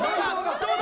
どうだ？